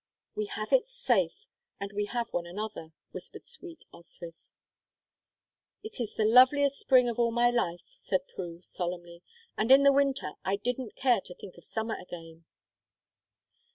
"We have it safe, and we have one another," whispered sweet Oswyth. "It's the loveliest spring of all my life," said Prue, solemnly. "And in the winter I didn't dare to think of summer again."